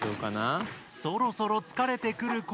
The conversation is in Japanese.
そろそろつかれてくるころ。